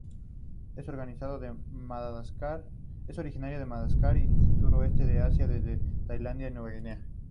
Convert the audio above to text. Es originaria de Madagascar y del sudeste de Asia desde Tailandia a Nueva Guinea.